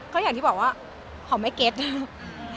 ก็อย่างที่บอกว่าหอมไม่เก็บ